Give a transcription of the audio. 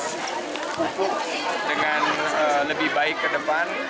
untuk pupuk dengan lebih baik ke depan